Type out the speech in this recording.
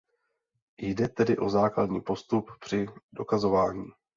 Jde tedy o základní postup při dokazování.